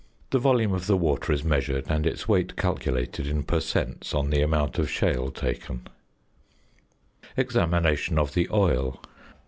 The volume of the water is measured and its weight calculated in per cents. on the amount of shale taken. [Illustration: FIG. 75.] ~Examination of the Oil.